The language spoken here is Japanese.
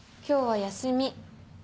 今日は休み。